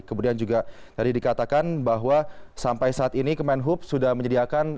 kemudian juga tadi dikatakan bahwa sampai saat ini kemenhub sudah menyediakan